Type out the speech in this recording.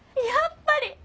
やっぱり！